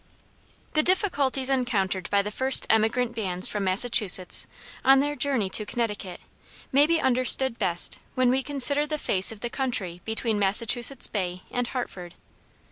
The difficulties encountered by the first emigrant bands from Massachusetts, on their journey to Connecticut, may be understood best when we consider the face of the country between Massachusetts Bay and Hartford.